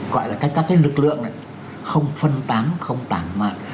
gọi là các cái lực lượng này không phân tán không tản mạn